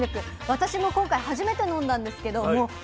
私も今回初めて飲んだんですけどもう衝撃でした。